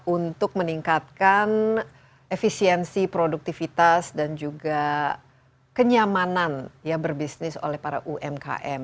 untuk meningkatkan efisiensi produktivitas dan juga kenyamanan ya berbisnis oleh para umkm